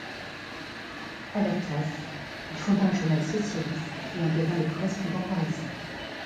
À la place, il fonda un journal socialiste et en devint le correspondant parisien.